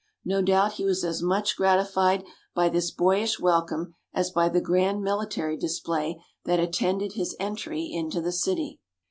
No doubt he was as much gratified by this boyish welcome as by the grand military display that attended his entry into the city.